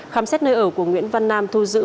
khám xét nơi ở của nguyễn văn nam thu giữ